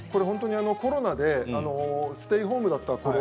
コロナでステイホームだったころ